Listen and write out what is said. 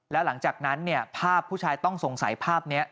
แล้วหลังจากนั้นภาพผู้ชายต้องสงสัยภาพนี้